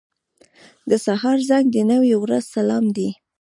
• د سهار زنګ د نوې ورځې سلام دی.